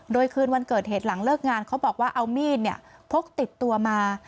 โดยคืนวันเกิดเหตุหลังเลิกงานเขาบอกว่าเอามีดพกติดตัวมา